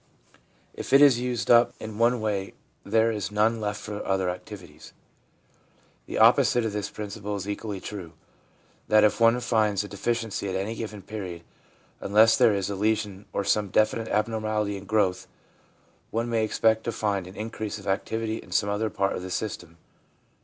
If it is used up in one way there is none left for other activities. The opposite of this principle is equally true, that if one finds a deficiency at any given period, unless there is a lesion or some definite abnormality in growth, one may expect to find an increase of activity in some other part of the system.